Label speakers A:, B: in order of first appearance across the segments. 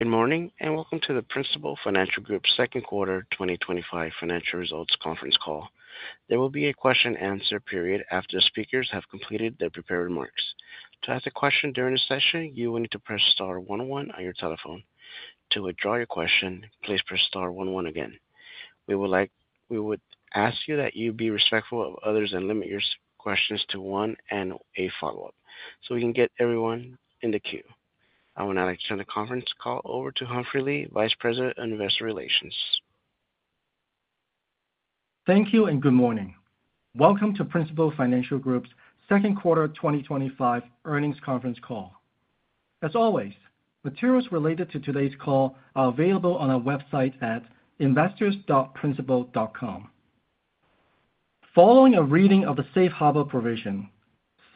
A: Good morning and welcome to the Principal Financial Group Second Quarter 2025 Financial Results Conference Call. There will be a question-and-answer period after the speakers have completed their prepared remarks. To ask a question during the session, you will need to press star one zero one on your telephone. To withdraw your question, please press star one zero one again. We would ask you that you be respectful of others and limit your questions to one and a follow-up so we can get everyone in the queue. I will now like to turn the conference call over to Humphrey Lee, Vice President of Investor Relations.
B: Thank you and good morning. Welcome to Principal Financial Group's Second Quarter 2025 Earnings Conference Call. As always, materials related to today's call are available on our website at investors.principal.com. Following a reading of the Safe Harbor provision,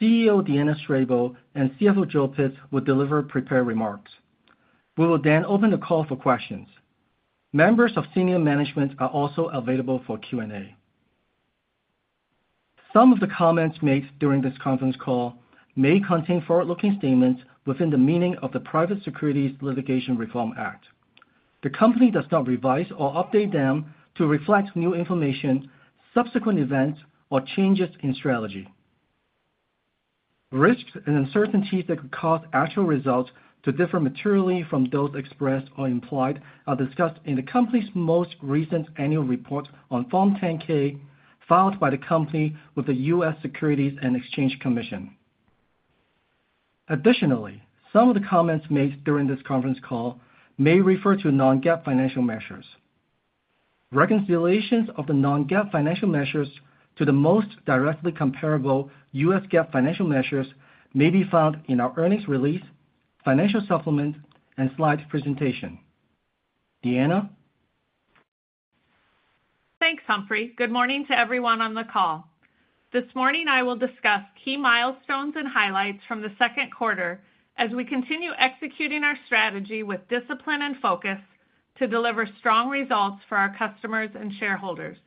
B: CEO Deanna Strable and CFO Joel Pitz will deliver prepared remarks. We will then open the call for questions. Members of senior management are also available for Q&A. Some of the comments made during this conference call may contain forward-looking statements within the meaning of the Private Securities Litigation Reform Act. The company does not revise or update them to reflect new information, subsequent events, or changes in strategy. Risks and uncertainties that could cause actual results to differ materially from those expressed or implied are discussed in the company's most recent annual report on Form 10-K filed by the company with the U.S. Securities and Exchange Commission. Additionally, some of the comments made during this conference call may refer to non-GAAP financial measures. Reconciliations of the non-GAAP financial measures to the most directly comparable U.S. GAAP financial measures may be found in our earnings release, financial supplement, and slide presentation. Deanna.
C: Thanks, Humphrey. Good morning to everyone on the call. This morning, I will discuss key milestones and highlights from the second quarter as we continue executing our strategy with discipline and focus to deliver strong results for our customers and shareholders.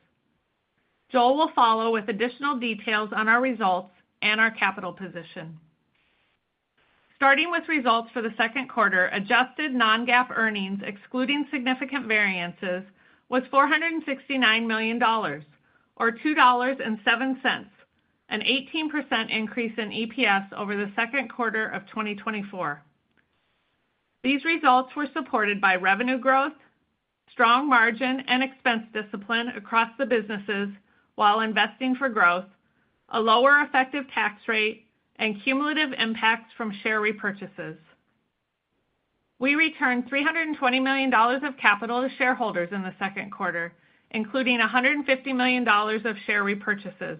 C: Joel will follow with additional details on our results and our capital position. Starting with results for the second quarter, adjusted non-GAAP earnings, excluding significant variances, was $469 million, or $2.07, an 18% increase in EPS over the second quarter of 2024. These results were supported by revenue growth, strong margin and expense discipline across the businesses while investing for growth, a lower effective tax rate, and cumulative impacts from share repurchases. We returned $320 million of capital to shareholders in the second quarter, including $150 million of share repurchases.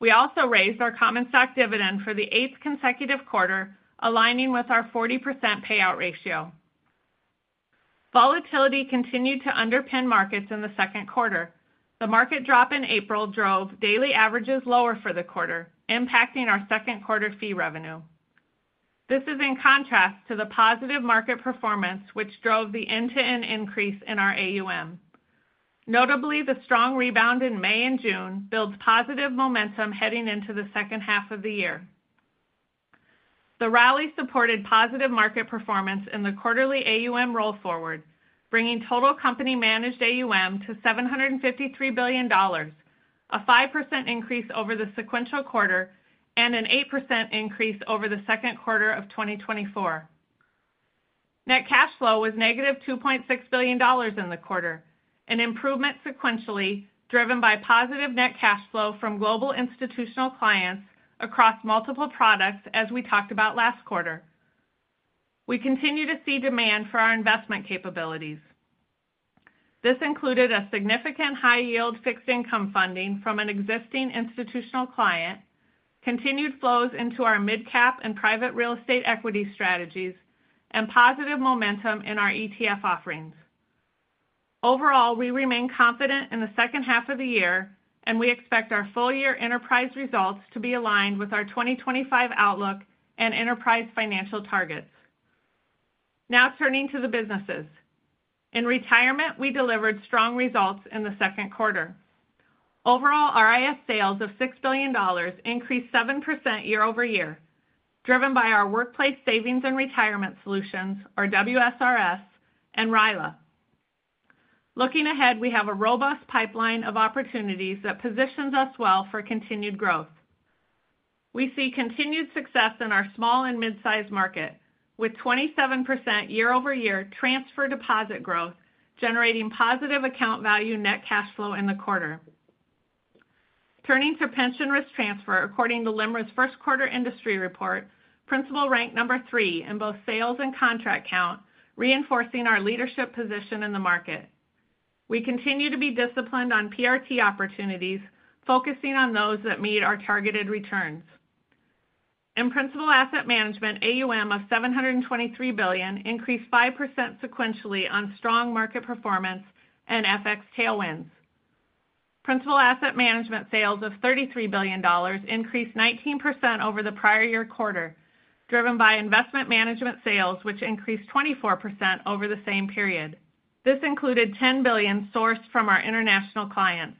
C: We also raised our Common Stock dividend for the eighth consecutive quarter, aligning with our 40% payout ratio. Volatility continued to underpin markets in the second quarter. The market drop in April drove daily averages lower for the quarter, impacting our second quarter fee revenue. This is in contrast to the positive market performance, which drove the end-to-end increase in our AUM. Notably, the strong rebound in May and June builds positive momentum heading into the second half of the year. The rally supported positive market performance in the quarterly AUM roll forward, bringing total company-managed AUM to $753 billion, a 5% increase over the sequential quarter and an 8% increase over the second quarter of 2024. Net cash flow was -$2.6 billion in the quarter, an improvement sequentially driven by positive net cash flow from global institutional clients across multiple products, as we talked about last quarter. We continue to see demand for our investment capabilities. This included a significant high-yield fixed income funding from an existing institutional client, continued flows into our mid-cap and private real estate equity strategies, and positive momentum in our ETF offerings. Overall, we remain confident in the second half of the year, and we expect our full-year enterprise results to be aligned with our 2025 outlook and enterprise financial targets. Now turning to the businesses. In retirement, we delivered strong results in the second quarter. Overall, RIS sales of $6 billion increased 7% year-over-year, driven by our workplace savings and retirement solutions, or WSRS, and RILA. Looking ahead, we have a robust pipeline of opportunities that positions us well for continued growth. We see continued success in our small and mid-sized market, with 27% year-over-year transfer deposit growth generating positive account value net cash flow in the quarter. Turning to pension risk transfer, according to Limerick's first quarter industry report, Principal ranked number three in both sales and contract count, reinforcing our leadership position in the market. We continue to be disciplined on PRT opportunities, focusing on those that meet our targeted returns. In Principal Asset Management, AUM of $723 billion increased 5% sequentially on strong market performance and FX tailwinds. Principal Asset Management sales of $33 billion increased 19% over the prior year quarter, driven by investment management sales, which increased 24% over the same period. This included $10 billion sourced from our international clients.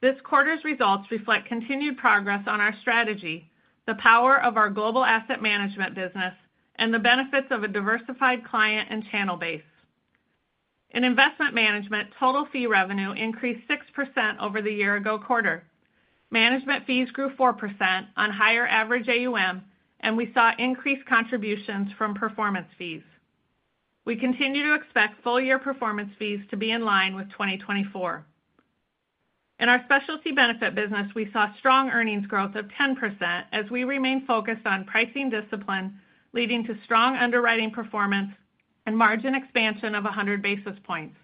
C: This quarter's results reflect continued progress on our strategy, the power of our global asset management business, and the benefits of a diversified client and channel base. In investment management, total fee revenue increased 6% over the year-ago quarter. Management fees grew 4% on higher average AUM, and we saw increased contributions from performance fees. We continue to expect full-year performance fees to be in line with 2024. In our specialty benefits business, we saw strong earnings growth of 10% as we remained focused on pricing discipline, leading to strong underwriting performance and margin expansion of 100 basis points.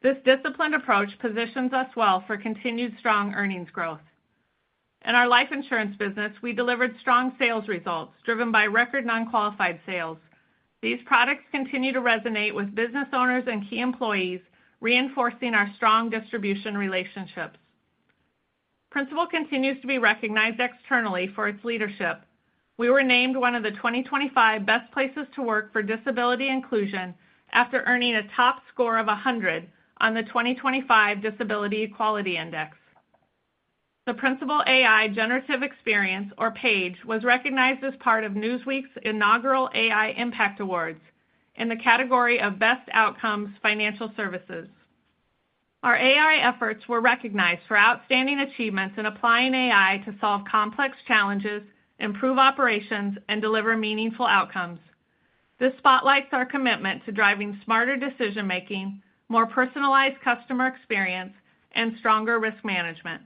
C: This disciplined approach positions us well for continued strong earnings growth. In our life insurance business, we delivered strong sales results driven by record non-qualified sales. These products continue to resonate with business owners and key employees, reinforcing our strong distribution relationships. Principal continues to be recognized externally for its leadership. We were named one of the 2025 best places to work for disability inclusion after earning a top score of 100 on the 2025 Disability Equality Index. The Principal AI Generative Experience, or PAGE, was recognized as part of Newsweek's Inaugural AI Impact Awards in the category of Best Outcomes Financial Services. Our AI efforts were recognized for outstanding achievements in applying AI to solve complex challenges, improve operations, and deliver meaningful outcomes. This spotlights our commitment to driving smarter decision-making, more personalized customer experience, and stronger risk management.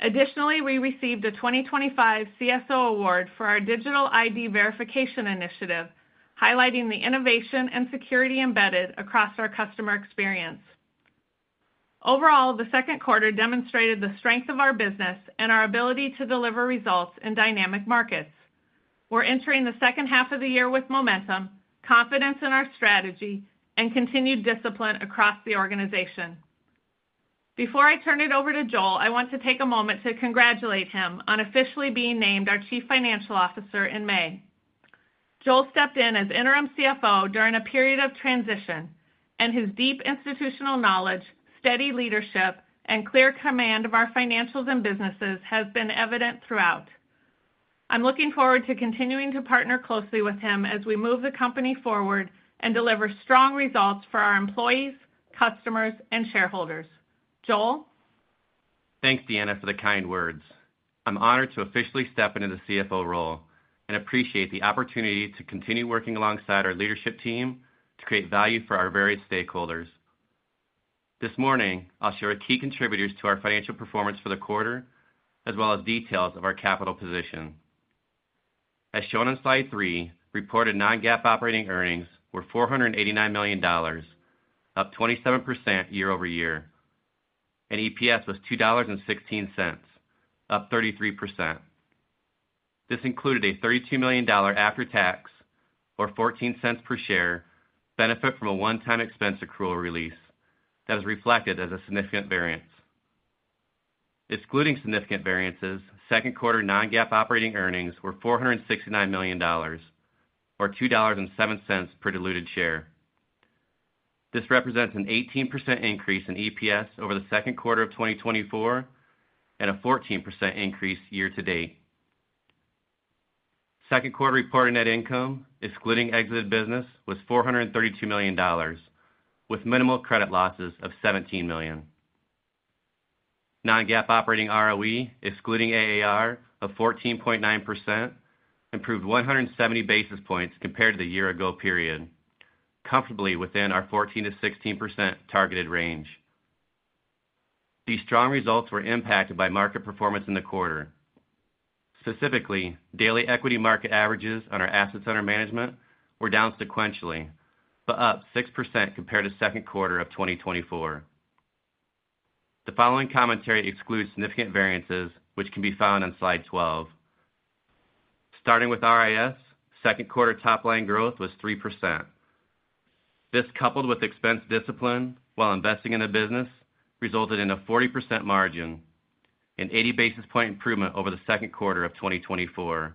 C: Additionally, we received a 2025 CSO Award for our digital ID verification initiative, highlighting the innovation and security embedded across our customer experience. Overall, the second quarter demonstrated the strength of our business and our ability to deliver results in dynamic markets. We're entering the second half of the year with momentum, confidence in our strategy, and continued discipline across the organization. Before I turn it over to Joel, I want to take a moment to congratulate him on officially being named our Chief Financial Officer in May. Joel stepped in as interim CFO during a period of transition, and his deep institutional knowledge, steady leadership, and clear command of our financials and businesses have been evident throughout. I'm looking forward to continuing to partner closely with him as we move the company forward and deliver strong results for our employees, customers, and shareholders. Joel?
D: Thanks, Deanna, for the kind words. I'm honored to officially step into the CFO role and appreciate the opportunity to continue working alongside our leadership team to create value for our various stakeholders. This morning, I'll share key contributors to our financial performance for the quarter, as well as details of our capital position. As shown on slide three, reported non-GAAP operating earnings were $489 million, up 27% year-over-year. EPS was $2.16, up 33%. This included a $32 million after-tax, or $0.14 per share, benefit from a one-time expense accrual release that is reflected as a significant variance. Excluding significant variances, second quarter non-GAAP operating earnings were $469 million, or $2.07 per diluted share. This represents an 18% increase in EPS over the second quarter of 2024 and a 14% increase year-to-date. Second quarter reporting net income, excluding exited business, was $432 million, with minimal credit losses of $17 million. Non-GAAP operating ROE, excluding AAR, of 14.9%, improved 170 basis points compared to the year-ago period, comfortably within our 14%-16% targeted range. These strong results were impacted by market performance in the quarter. Specifically, daily equity market averages on our assets under management were down sequentially, but up 6% compared to second quarter of 2024. The following commentary excludes significant variances, which can be found on slide 12. Starting with RIS, second quarter top-line growth was 3%. This, coupled with expense discipline while investing in the business, resulted in a 40% margin and 80 basis point improvement over the second quarter of 2024,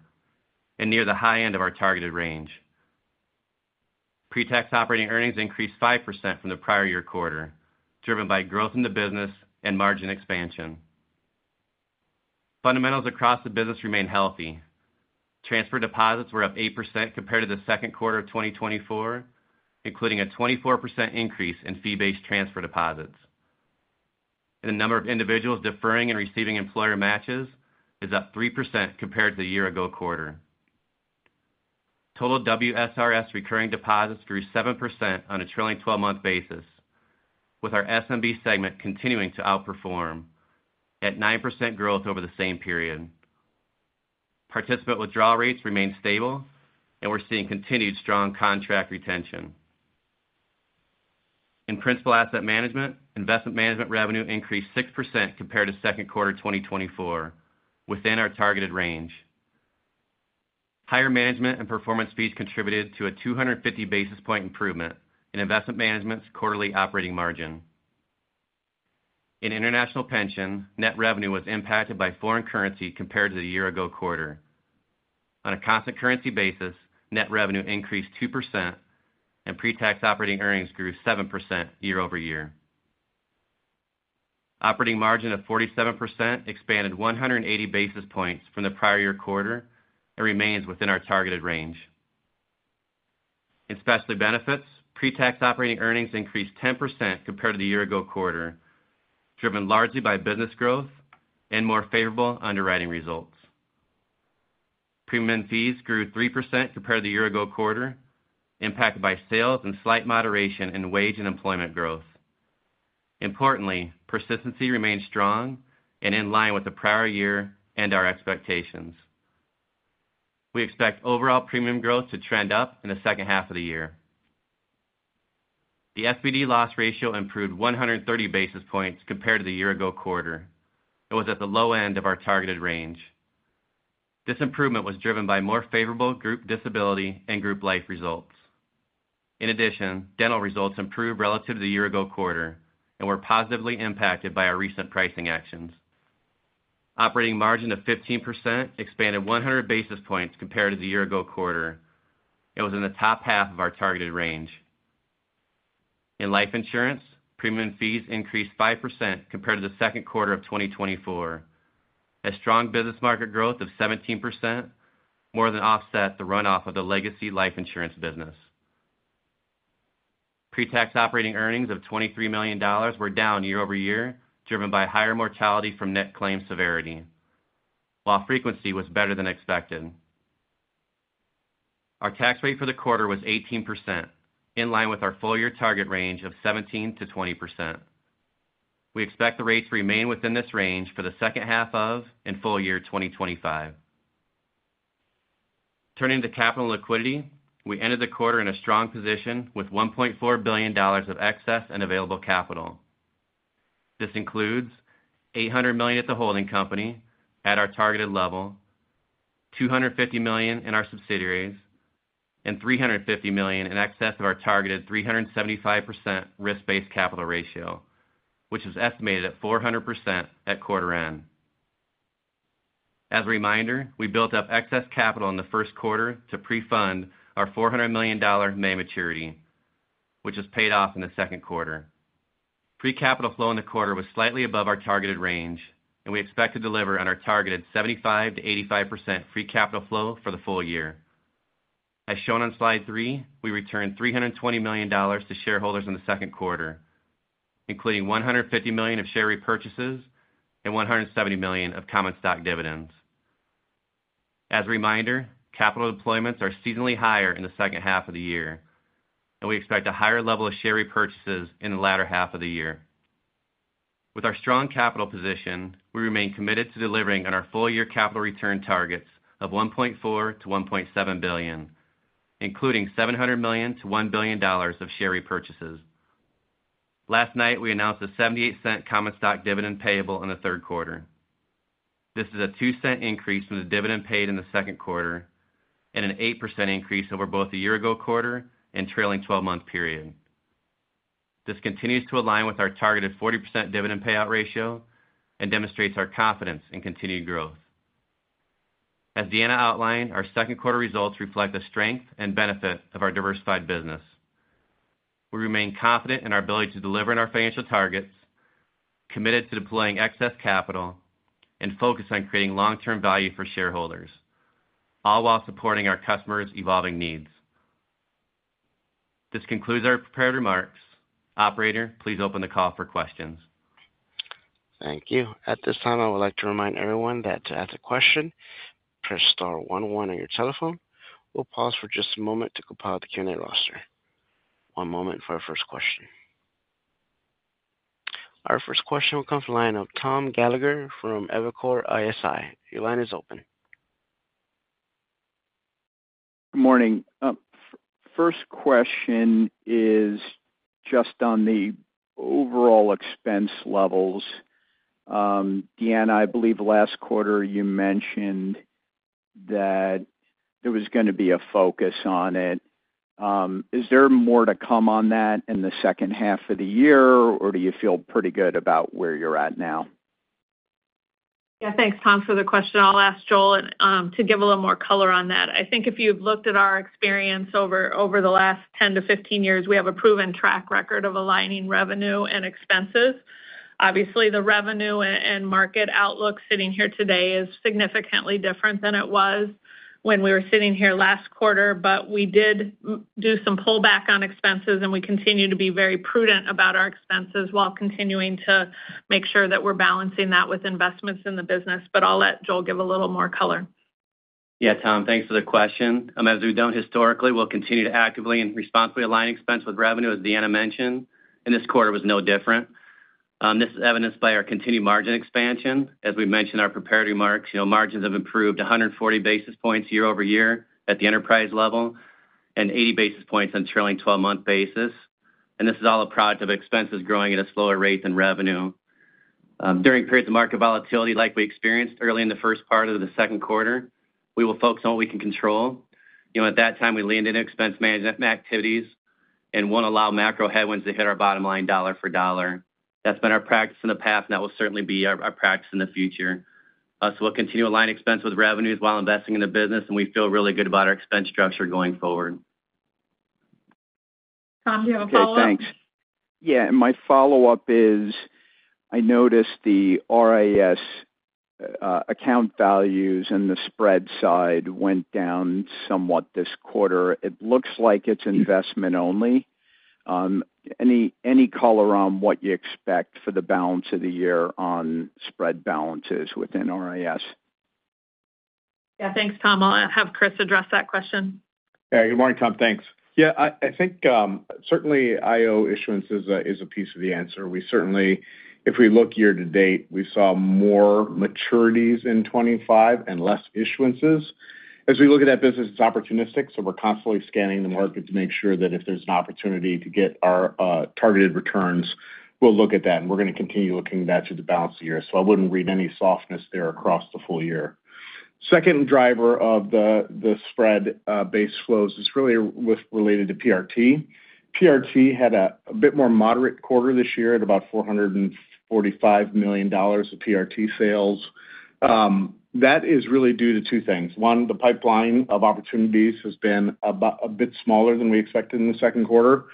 D: and near the high end of our targeted range. Pretax operating earnings increased 5% from the prior year quarter, driven by growth in the business and margin expansion. Fundamentals across the business remain healthy. Transfer deposits were up 8% compared to the second quarter of 2024, including a 24% increase in fee-based transfer deposits. The number of individuals deferring and receiving employer matches is up 3% compared to the year-ago quarter. Total WSRS recurring deposits grew 7% on a trailing 12-month basis, with our SMB segment continuing to outperform at 9% growth over the same period. Participant withdrawal rates remained stable, and we're seeing continued strong contract retention. In Principal Asset Management, investment management revenue increased 6% compared to second quarter 2024, within our targeted range. Higher management and performance fees contributed to a 250 basis point improvement in investment management's quarterly operating margin. In International Pension, net revenue was impacted by foreign currency compared to the year-ago quarter. On a constant currency basis, net revenue increased 2%. Pretax operating earnings grew 7% year-over-year. Operating margin of 47% expanded 180 basis points from the prior year quarter and remains within our targeted range. In Specialty Benefits, pretax operating earnings increased 10% compared to the year-ago quarter, driven largely by business growth and more favorable underwriting results. Premium fees grew 3% compared to the year-ago quarter, impacted by sales and slight moderation in wage and employment growth. Importantly, persistency remained strong and in line with the prior year and our expectations. We expect overall premium growth to trend up in the second half of the year. The FBD loss ratio improved 130 basis points compared to the year-ago quarter. It was at the low end of our targeted range. This improvement was driven by more favorable group disability and group life results. In addition, Dental results improved relative to the year-ago quarter and were positively impacted by our recent pricing actions. Operating margin of 15% expanded 100 basis points compared to the year-ago quarter and was in the top half of our targeted range. In Life Insurance, premium fees increased 5% compared to the second quarter of 2024. A strong business market growth of 17% more than offset the runoff of the legacy life insurance business. Pretax operating earnings of $23 million were down year-over-year, driven by higher mortality from net claim severity, while frequency was better than expected. Our tax rate for the quarter was 18%, in line with our full-year target range of 17%-20%. We expect the rates to remain within this range for the second half of and full year 2025. Turning to capital and liquidity, we ended the quarter in a strong position with $1.4 billion of excess and available capital. This includes $800 million at the holding company at our targeted level, $250 million in our subsidiaries, and $350 million in excess of our targeted 375% risk-based capital ratio, which is estimated at 400% at quarter end. As a reminder, we built up excess capital in the first quarter to pre-fund our $400 million May maturity, which was paid off in the second quarter. Pre-capital flow in the quarter was slightly above our targeted range, and we expect to deliver on our targeted 75%-85% pre-capital flow for the full year. As shown on slide three, we returned $320 million to shareholders in the second quarter, including $150 million of share repurchases and $170 million of common stock dividends. As a reminder, capital deployments are seasonally higher in the second half of the year, and we expect a higher level of share repurchases in the latter half of the year. With our strong capital position, we remain committed to delivering on our full-year capital return targets of $1.4 billion-$1.7 billion, including $700 million to $1 billion of share repurchases. Last night, we announced a $0.78 common stock dividend payable in the third quarter. This is a 2% increase from the dividend paid in the second quarter and an 8% increase over both the year-ago quarter and trailing 12-month period. This continues to align with our targeted 40% dividend payout ratio and demonstrates our confidence in continued growth. As Deanna outlined, our second quarter results reflect the strength and benefit of our diversified business. We remain confident in our ability to deliver on our financial targets, committed to deploying excess capital, and focused on creating long-term value for shareholders, all while supporting our customers' evolving needs. This concludes our prepared remarks. Operator, please open the call for questions.
A: Thank you. At this time, I would like to remind everyone that to ask a question, press star one zero one on your telephone. We'll pause for just a moment to compile the Q&A roster. One moment for our first question. Our first question will come from the lineup, Tom Gallagher from Evercore ISI. Your line is open.
E: Good morning. First question is, just on the overall expense levels. Deanna, I believe last quarter you mentioned that there was going to be a focus on it. Is there more to come on that in the second half of the year, or do you feel pretty good about where you're at now?
C: Yeah, thanks, Tom, for the question. I'll ask Joel to give a little more color on that. I think if you've looked at our experience over the last 10 years-15 years, we have a proven track record of aligning revenue and expenses. Obviously, the revenue and market outlook sitting here today is significantly different than it was when we were sitting here last quarter. We did do some pullback on expenses, and we continue to be very prudent about our expenses while continuing to make sure that we're balancing that with investments in the business. I'll let Joel give a little more color.
D: Yeah, Tom, thanks for the question. As we've done historically, we'll continue to actively and responsibly align expense with revenue, as Deanna mentioned, and this quarter was no different. This is evidenced by our continued margin expansion. As we mentioned in our prepared remarks, margins have improved 140 basis points year-over-year at the enterprise level and 80 basis points on a trailing 12-month basis. This is all a product of expenses growing at a slower rate than revenue. During periods of market volatility like we experienced early in the first part of the second quarter, we will focus on what we can control. At that time, we leaned into expense management activities and won't allow macro headwinds to hit our bottom line dollar for dollar. That's been our practice in the past, and that will certainly be our practice in the future. We'll continue to align expense with revenues while investing in the business, and we feel really good about our expense structure going forward.
A: Tom, do you have a follow-up?
E: Yeah, thanks. Yeah, my follow-up is I noticed the RIS account values and the spread side went down somewhat this quarter. It looks like it's investment only. Any color on what you expect for the balance of the year on spread balances within RIS?
C: Yeah, thanks, Tom. I'll have Chris address that question.
F: Yeah, good morning, Tom. Thanks. Yeah, I think certainly IO issuances is a piece of the answer. We certainly, if we look year-to-date, we saw more maturities in 2025 and less issuances. As we look at that business, it's opportunistic, so we're constantly scanning the market to make sure that if there's an opportunity to get our targeted returns, we'll look at that, and we're going to continue looking at that through the balance of the year. I wouldn't read any softness there across the full year. Second driver of the spread-based flows is really related to PRT. PRT had a bit more moderate quarter this year at about $445 million of PRT sales. That is really due to two things. One, the pipeline of opportunities has been a bit smaller than we expected in the second quarter.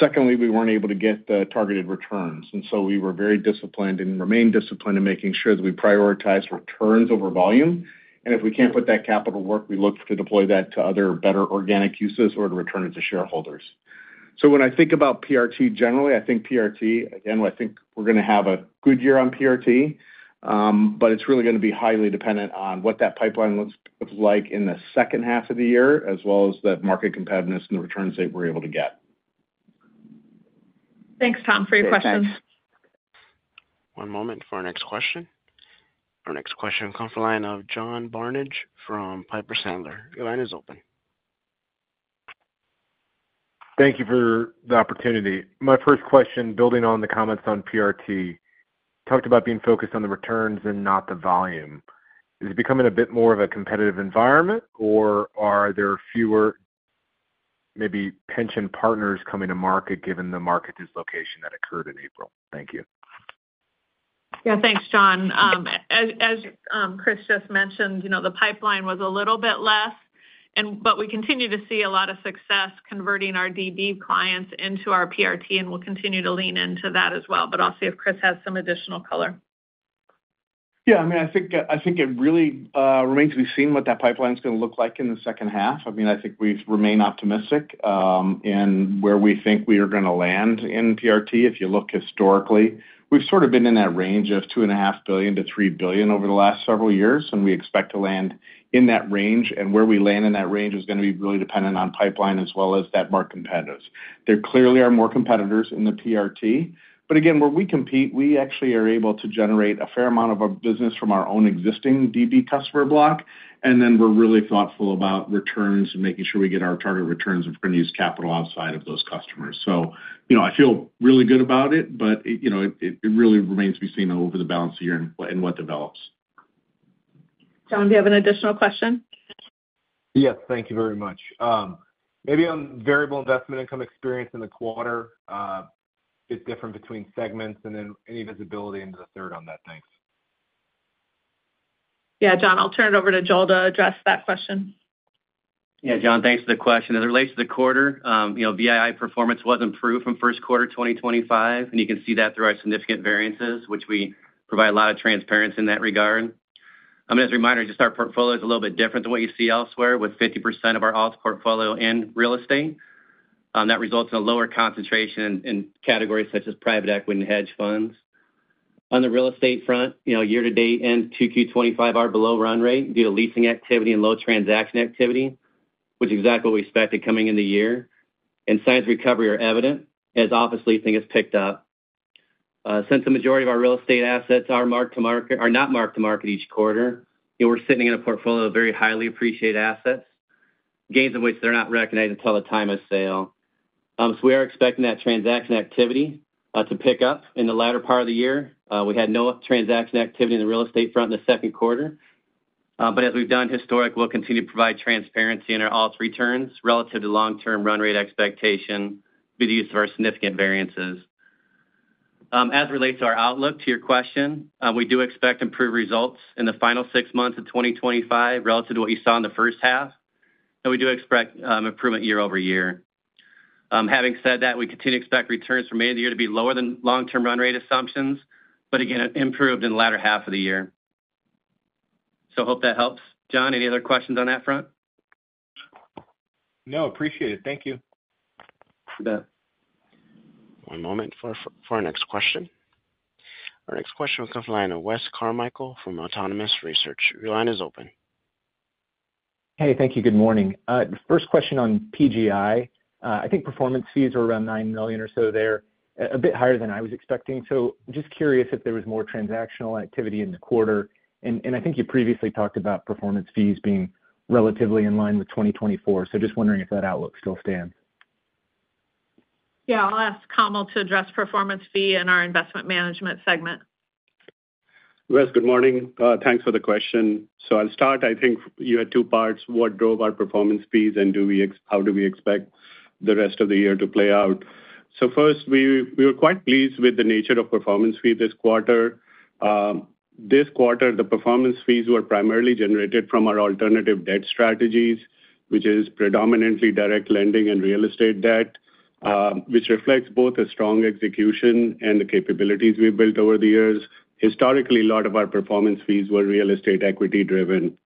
F: Secondly, we weren't able to get the targeted returns. We were very disciplined and remain disciplined in making sure that we prioritize returns over volume. If we can't put that capital to work, we look to deploy that to other better organic uses or to return it to shareholders. When I think about PRT generally, I think PRT, again, I think we're going to have a good year on PRT. It's really going to be highly dependent on what that pipeline looks like in the second half of the year, as well as the market competitiveness and the returns that we're able to get.
C: Thanks, Tom, for your questions.
A: Thanks. One moment for our next question. Our next question will come from the line of John Barnidge from Piper Sandler. Your line is open.
G: Thank you for the opportunity. My first question, building on the comments on PRT, talked about being focused on the returns and not the volume. Is it becoming a bit more of a competitive environment, or are there fewer, maybe pension partners coming to market given the market dislocation that occurred in April? Thank you.
C: Yeah, thanks, John. As Chris just mentioned, the pipeline was a little bit less, but we continue to see a lot of success converting our DB clients into our PRT, and we'll continue to lean into that as well. I'll see if Chris has some additional color.
F: Yeah, I mean, I think it really remains to be seen what that pipeline is going to look like in the second half. I mean, I think we remain optimistic. Where we think we are going to land in PRT, if you look historically, we've sort of been in that range of $2.5 billion-$3 billion over the last several years, and we expect to land in that range. Where we land in that range is going to be really dependent on pipeline as well as that market competitiveness. There clearly are more competitors in the PRT. Again, where we compete, we actually are able to generate a fair amount of our business from our own existing DB customer block, and then we're really thoughtful about returns and making sure we get our target returns if we're going to use capital outside of those customers. I feel really good about it, but it really remains to be seen over the balance of the year and what develops.
C: John, do you have an additional question?
G: Yes, thank you very much. Maybe on variable investment income experience in the quarter. It is different between segments, and then any visibility into the third on that, thanks.
C: Yeah, John, I'll turn it over to Joel to address that question.
D: Yeah, John, thanks for the question. As it relates to the quarter, VII performance was improved from first quarter 2025, and you can see that through our significant variances, which we provide a lot of transparency in that regard. I mean, as a reminder, just our portfolio is a little bit different than what you see elsewhere, with 50% of our alt portfolio in real estate. That results in a lower concentration in categories such as private equity and hedge funds. On the real estate front, year-to-date and Q25 are below run rate due to leasing activity and low transaction activity, which is exactly what we expected coming into the year. Signs of recovery are evident as office leasing has picked up. Since the majority of our real estate assets are not marked to market each quarter, we're sitting in a portfolio of very highly appreciated assets, gains in which they're not recognized until the time of sale. We are expecting that transaction activity to pick up in the latter part of the year. We had no transaction activity in the real estate front in the second quarter. As we've done historically, we'll continue to provide transparency in our alt returns relative to long-term run rate expectation due to the use of our significant variances. As it relates to our outlook, to your question, we do expect improved results in the final six months of 2025 relative to what you saw in the first half. We do expect improvement year-over-year. Having said that, we continue to expect returns for many of the year to be lower than long-term run rate assumptions, but again, improved in the latter half of the year. I hope that helps. John, any other questions on that front?
G: No, appreciate it. Thank you.
A: One moment for our next question. Our next question will come from the line of Wes Carmichael from Autonomous Research. Your line is open.
H: Hey, thank you. Good morning. First question on PGI. I think performance fees were around $9 million or so there, a bit higher than I was expecting. Just curious if there was more transactional activity in the quarter. I think you previously talked about performance fees being relatively in line with 2024, just wondering if that outlook still stands.
C: Yeah, I'll ask Kamal to address performance fee in our investment management segment.
I: Wes, good morning. Thanks for the question. I'll start. I think you had two parts: what drove our performance fees, and how do we expect the rest of the year to play out? First, we were quite pleased with the nature of performance fee this quarter. This quarter, the performance fees were primarily generated from our alternative debt strategies, which is predominantly direct lending and real estate debt, which reflects both a strong execution and the capabilities we've built over the years. Historically, a lot of our performance fees were real estate equity-driven.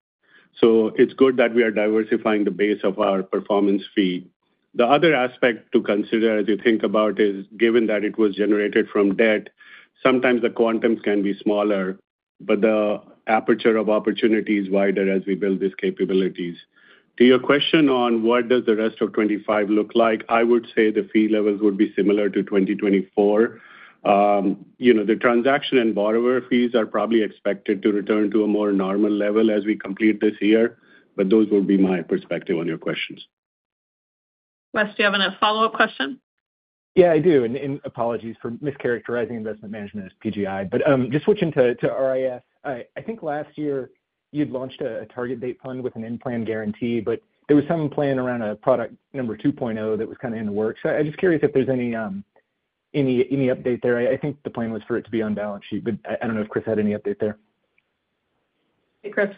I: It's good that we are diversifying the base of our performance fee. The other aspect to consider as you think about it is, given that it was generated from debt, sometimes the quantums can be smaller, but the aperture of opportunity is wider as we build these capabilities. To your question on what does the rest of 2025 look like, I would say the fee levels would be similar to 2024. The transaction and borrower fees are probably expected to return to a more normal level as we complete this year, but those would be my perspective on your questions.
C: Wes, do you have a follow-up question?
H: Yeah, I do. Apologies for mischaracterizing investment management as PGI. Just switching to RIS, I think last year you'd launched a target date fund with an in-plan guarantee, but there was some plan around a product number 2.0 that was kind of in the works. I'm just curious if there's any update there. I think the plan was for it to be on balance sheet, but I don't know if Chris had any update there.
C: Hey, Chris.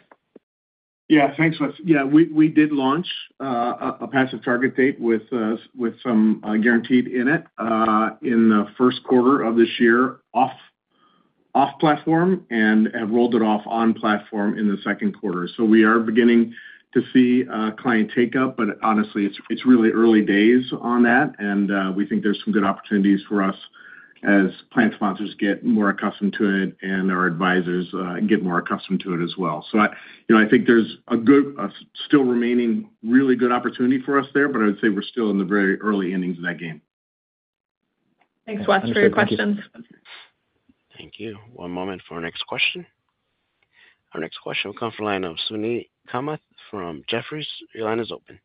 F: Yeah, thanks, Wes. Yeah, we did launch a passive target date with some guaranteed in it in the first quarter of this year, off platform and have rolled it off on platform in the second quarter. We are beginning to see client take-up, but honestly, it's really early days on that. We think there's some good opportunities for us as plan sponsors get more accustomed to it and our advisors get more accustomed to it as well. I think there's a still remaining really good opportunity for us there, but I would say we're still in the very early innings of that game.
C: Thanks, Wes, for your questions.
A: Thank you. One moment for our next question. Our next question will come from the line of Suneet Kamath from Jefferies. Your line is open.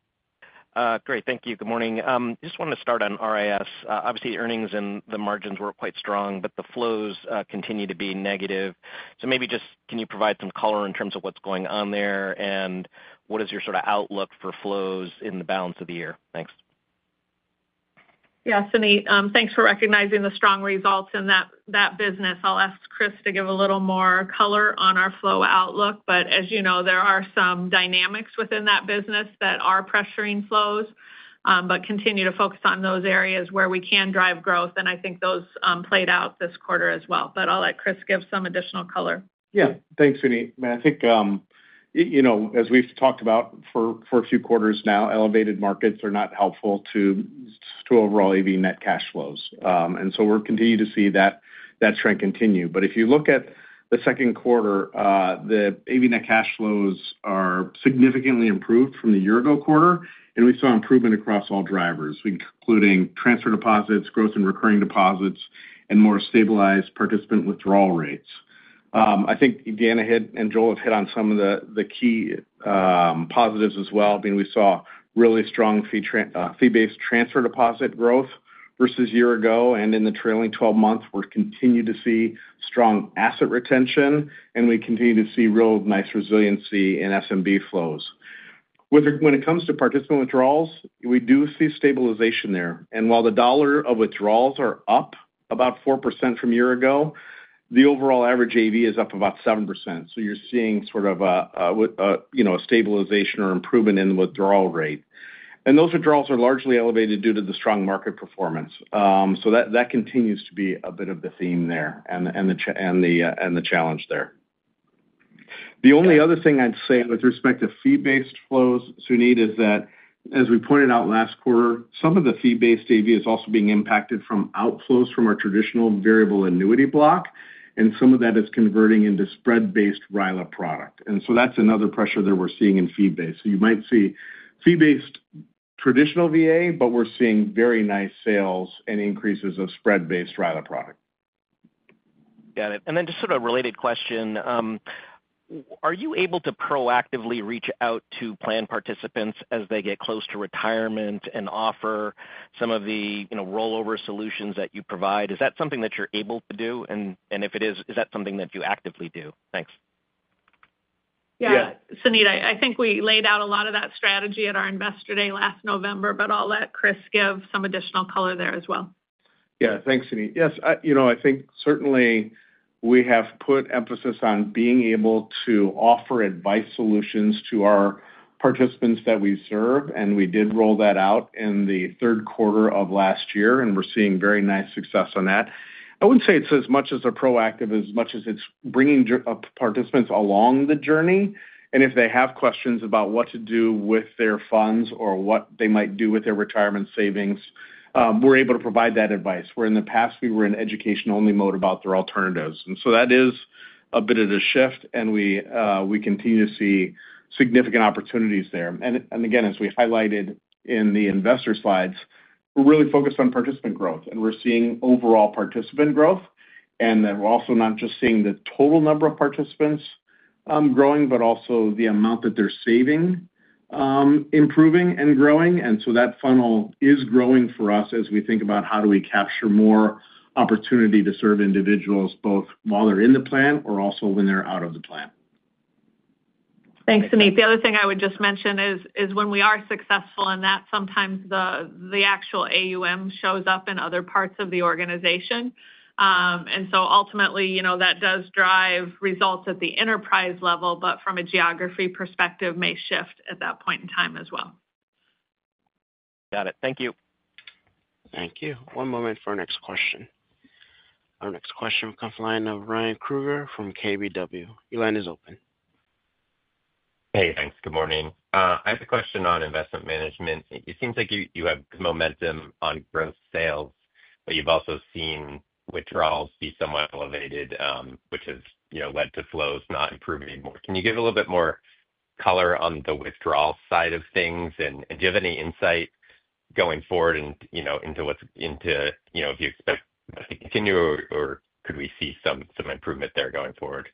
J: Great, thank you. Good morning. I just wanted to start on RIS. Obviously, earnings and the margins were quite strong, but the flows continue to be negative. Maybe just can you provide some color in terms of what's going on there and what is your sort of outlook for flows in the balance of the year? Thanks.
C: Yeah, Suneet, thanks for recognizing the strong results in that business. I'll ask Chris to give a little more color on our flow outlook. As you know, there are some dynamics within that business that are pressuring flows, but continue to focus on those areas where we can drive growth. I think those played out this quarter as well. I'll let Chris give some additional color.
F: Yeah, thanks, Suneet. I mean, I think as we've talked about for a few quarters now, elevated markets are not helpful to overall AV net cash flows. We'll continue to see that trend continue. If you look at the second quarter, the AV net cash flows are significantly improved from the year-ago quarter, and we saw improvement across all drivers, including transfer deposits, growth in recurring deposits, and more stabilized participant withdrawal rates. I think Dan, ahead, and Joel have hit on some of the key positives as well. I mean, we saw really strong fee-based transfer deposit growth versus a year ago. In the trailing 12 months, we're continuing to see strong asset retention, and we continue to see real nice resiliency in SMB flows. When it comes to participant withdrawals, we do see stabilization there. While the dollar of withdrawals are up about 4% from a year ago, the overall average AV is up about 7%. You're seeing sort of a stabilization or improvement in the withdrawal rate. Those withdrawals are largely elevated due to the strong market performance. That continues to be a bit of the theme there and the challenge there. The only other thing I'd say with respect to fee-based flows, Suneet, is that, as we pointed out last quarter, some of the fee-based AV is also being impacted from outflows from our traditional variable annuity block, and some of that is converting into spread-based RILA product. That's another pressure that we're seeing in fee-based. You might see fee-based traditional VA, but we're seeing very nice sales and increases of spread-based RILA product.
J: Got it. Just sort of a related question. Are you able to proactively reach out to plan participants as they get close to retirement and offer some of the rollover solutions that you provide? Is that something that you're able to do? If it is, is that something that you actively do? Thanks.
C: Yeah. Suneet, I think we laid out a lot of that strategy at our investor day last November, but I'll let Chris give some additional color there as well.
F: Yeah, thanks, Suneet. Yes, I think certainly we have put emphasis on being able to offer advice solutions to our participants that we serve. We did roll that out in the third quarter of last year, and we're seeing very nice success on that. I wouldn't say it's as much as a proactive as much as it's bringing participants along the journey. If they have questions about what to do with their funds or what they might do with their retirement savings, we're able to provide that advice. Where in the past, we were in education-only mode about their alternatives. That is a bit of a shift, and we continue to see significant opportunities there. As we highlighted in the investor slides, we're really focused on participant growth, and we're seeing overall participant growth. We're also not just seeing the total number of participants growing, but also the amount that they're saving, improving and growing. That funnel is growing for us as we think about how do we capture more opportunity to serve individuals, both while they're in the plan or also when they're out of the plan.
C: Thanks, Suneet. The other thing I would just mention is when we are successful in that, sometimes the actual AUM shows up in other parts of the organization. Ultimately, that does drive results at the enterprise level, but from a geography perspective, may shift at that point in time as well.
J: Got it. Thank you.
A: Thank you. One moment for our next question. Our next question will come from the line of Ryan Krueger from KBW. Your line is open.
K: Hey, thanks. Good morning. I have a question on investment management. It seems like you have momentum on growth sales, but you've also seen withdrawals be somewhat elevated, which has led to flows not improving more. Can you give a little bit more color on the withdrawal side of things? Do you have any insight going forward into what's into if you expect that to continue, or could we see some improvement there going forward?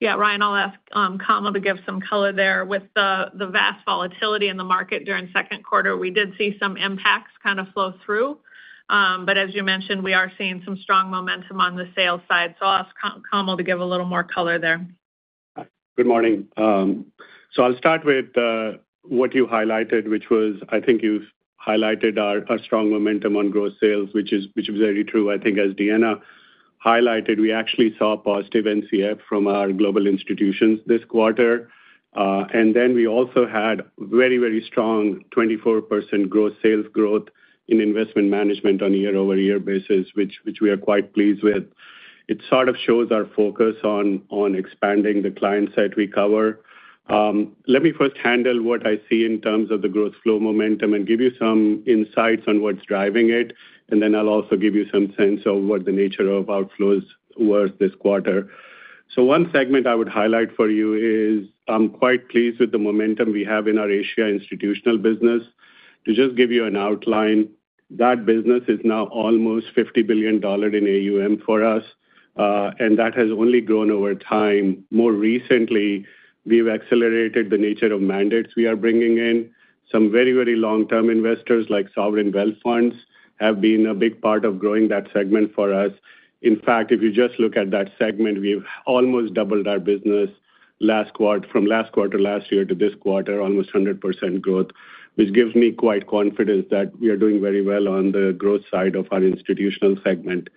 C: Yeah, Ryan, I'll ask Kamal to give some color there. With the vast volatility in the market during second quarter, we did see some impacts kind of flow through. As you mentioned, we are seeing some strong momentum on the sales side. I'll ask Kamal to give a little more color there.
I: Good morning. I'll start with what you highlighted, which was, I think you highlighted our strong momentum on growth sales, which is very true. I think as Deanna highlighted, we actually saw positive NCF from our global institutions this quarter. We also had very, very strong 24% growth sales growth in investment management on a year-over-year basis, which we are quite pleased with. It sort of shows our focus on expanding the client set we cover. Let me first handle what I see in terms of the growth flow momentum and give you some insights on what's driving it. I'll also give you some sense of what the nature of our flows was this quarter. One segment I would highlight for you is I'm quite pleased with the momentum we have in our Asia institutional business. To just give you an outline, that business is now almost $50 billion in AUM for us. That has only grown over time. More recently, we've accelerated the nature of mandates we are bringing in. Some very, very long-term investors like Sovereign Wealth Funds have been a big part of growing that segment for us. In fact, if you just look at that segment, we've almost doubled our business from last quarter last year to this quarter, almost 100% growth, which gives me quite confidence that we are doing very well on the growth side of our institutional segment.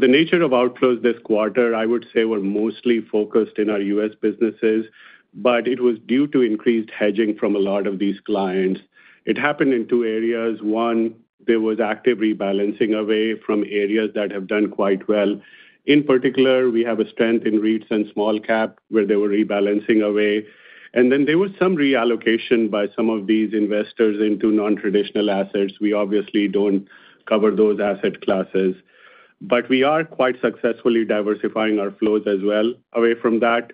I: The nature of outflows this quarter, I would say, were mostly focused in our U.S. businesses, but it was due to increased hedging from a lot of these clients. It happened in two areas. One, there was active rebalancing away from areas that have done quite well. In particular, we have a strength in REITs and small cap where they were rebalancing away. There was some reallocation by some of these investors into non-traditional assets. We obviously don't cover those asset classes, but we are quite successfully diversifying our flows as well away from that.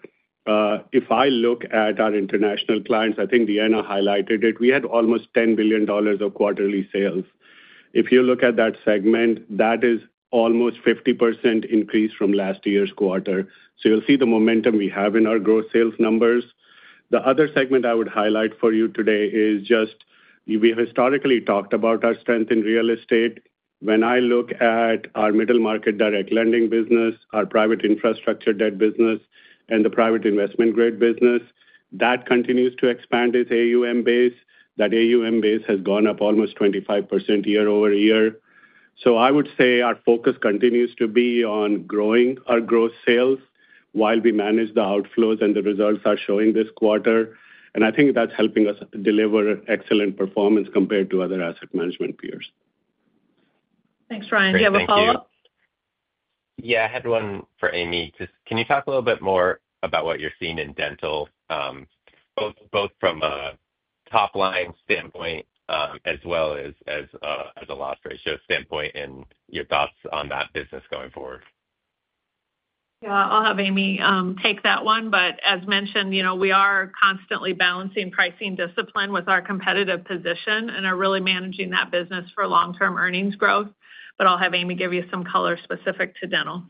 I: If I look at our international clients, I think Deanna highlighted it, we had almost $10 billion of quarterly sales. If you look at that segment, that is almost a 50% increase from last year's quarter. You'll see the momentum we have in our growth sales numbers. The other segment I would highlight for you today is just, we historically talked about our strength in real estate. When I look at our middle market direct lending business, our private infrastructure debt business, and the private investment grade business, that continues to expand its AUM base. That AUM base has gone up almost 25% year-over-year. I would say our focus continues to be on growing our growth sales while we manage the outflows and the results are showing this quarter. I think that's helping us deliver excellent performance compared to other asset management peers.
C: Thanks, Ryan. Do you have a follow-up?
K: Yeah, I had one for Amy. Can you talk a little bit more about what you're seeing in Dental, both from a top-line standpoint as well as a loss ratio standpoint, and your thoughts on that business going forward?
C: Yeah, I'll have Amy take that one. As mentioned, we are constantly balancing pricing discipline with our competitive position and are really managing that business for long-term earnings growth. I'll have Amy give you some color specific to Dental.